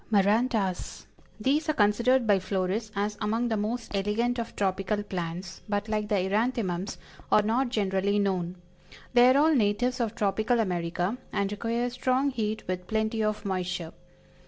MARANTAS. These are considered by florists as among the most elegant of tropical plants, but like the Eranthemums, are not generally known. They are all natives of tropical America, and require strong heat with plenty of moisture.